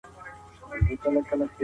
په تا هيـڅ خــــبر نـــه يــم